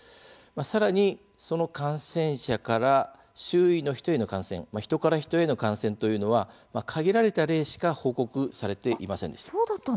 さらに、その感染者から周囲の人への感染ヒトからヒトへの感染というのは限られた例しか報告されていませんでした。